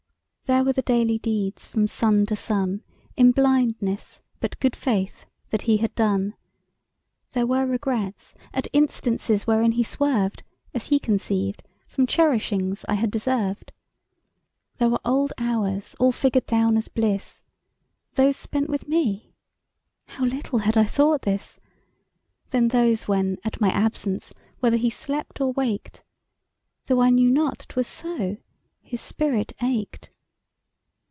There were the daily deeds from sun to sun In blindness, but good faith, that he had done; There were regrets, at instances wherein he swerved (As he conceived) from cherishings I had deserved. There were old hours all figured down as bliss— Those spent with me—(how little had I thought this!) There those when, at my absence, whether he slept or waked, (Though I knew not 'twas so!) his spirit ached.